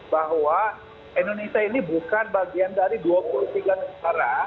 bahwa indonesia ini bukan bagian dari dua puluh tiga negara